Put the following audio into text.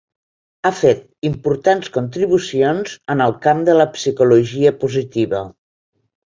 Ha fet importants contribucions en el camp de la Psicologia positiva.